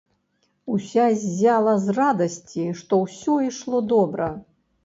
Уся ззяла з радасці, што ўсё ішло добра.